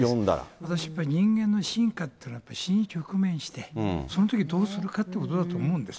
私やっぱり、人間のしんかっていうのは死に直面して、そのとき、どうするかってことだと思うんです。